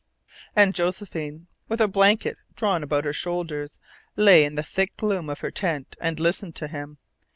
And Josephine, with a blanket drawn about her shoulders, lay in the thick gloom of her tent and listened to him.